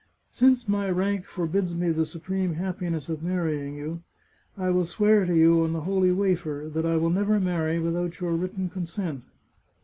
" Since my rank forbids me the supreme happiness of marrying you, I will swear to you on the Holy Wafer that I will never marry without your written consent.